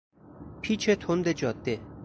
پیچ تند جاده